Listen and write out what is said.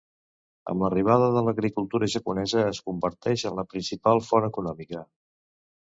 Amb l'arribada de l'agricultura japonesa, es converteix en la principal font econòmica.